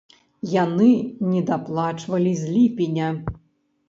Яны недаплачвалі з ліпеня.